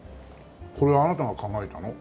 これあなたが考えたの？